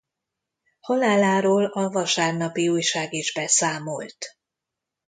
Haláláról a Vasárnapi Ujság is beszámolt.